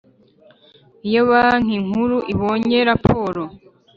Iyo Banki Nkuru ibonye raporo